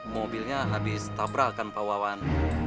mobilnya habis tabrak kan pak wawan